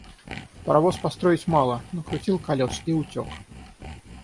Паровоз построить мало — накрутил колес и утек.